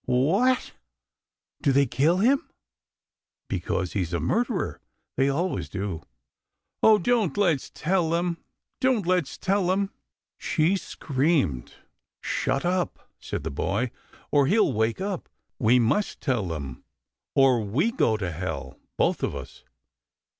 " Wha at ! Do they kill him ?" "Because he's a murderer. They always do." " Oh, don't let's tell them ! Don't let's tell them !" she screamed. AND WHO SHALL SAY ? 221 " Shut up !" said the boy, " or he'll wake up. We must tell them, or we go to hell both of us."